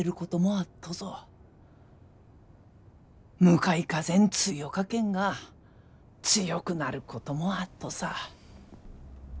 向かい風ん強かけんが強くなることもあっとさ。